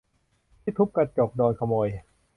ที่ทุบกระจกโดนขโมย !